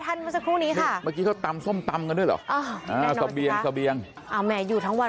ท่านผู้นี้ค่ะเมื่อกี้เขาตำส้มตำกันด้วยเหรอเอ่อจับเียนจับเนียนอะแม่อยู่ทั้งวัน